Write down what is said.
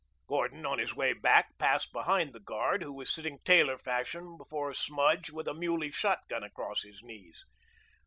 Gordon, on his way back, passed behind the guard, who was sitting tailor fashion before a smudge with a muley shotgun across his knees.